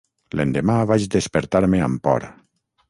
L'endemà vaig despertar-me amb por.